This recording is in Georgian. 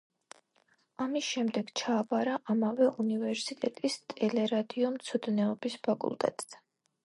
ამის შემდეგ ჩააბარა ამავე უნივერსიტეტის ტელერადიო მცოდნეობის ფაკულტეტზე.